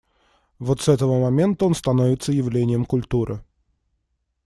Вот с этого момента он становится явлением культуры.